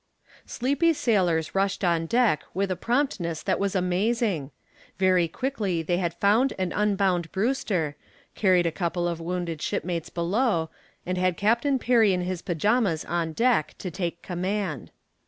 Sleepy sailors rushed on deck with a promptness that was amazing. Very quickly they had found and unbound Brewster, carried a couple of wounded shipmates below and had Captain Perry in his pajamas on deck to take command.